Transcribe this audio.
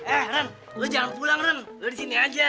eh ren lo jangan pulang ren lo disini aja